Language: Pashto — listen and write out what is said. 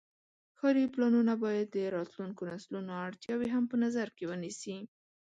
ښاري پلانونه باید د راتلونکو نسلونو اړتیاوې هم په نظر کې ونیسي.